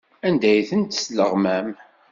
Anda ay tent-tesleɣmam?